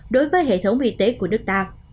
đối với hệ thống y tế của nước ta